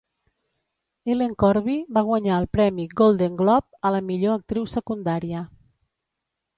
Ellen Corby va guanyar el premi Golden Globe a la millor actriu secundària.